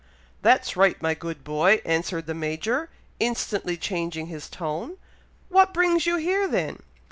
"That's right, my good boy!" answered the Major, instantly changing his tone. "What brings you here then?"